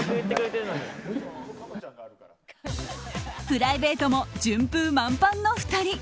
プライベートも順風満帆の２人。